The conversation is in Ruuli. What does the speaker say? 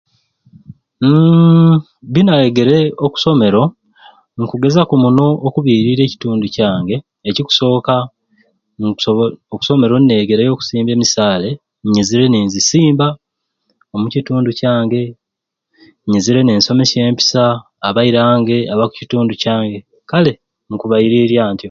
Uuhh byenayegere okusomero nkugezaku muno okuwulirya ekitundu kyange ekikusooka nkusobola okusomero nenegereyo okusimba emisale nyizire nenzisimba omukitundu kyange nyizire nensomesya empisa abarabange omukukitundu kyange kale nkubalirya ntyo